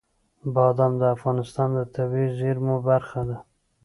بادام د افغانستان د طبیعي زیرمو برخه ده.